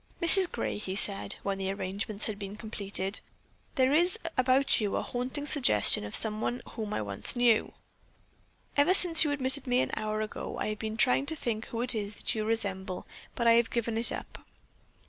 "Mrs. Gray," he said, when the arrangements had been completed, "there is about you a haunting suggestion of someone whom I once knew. Ever since you admitted me an hour ago I have been trying to think who it is that you resemble, but I have given it up."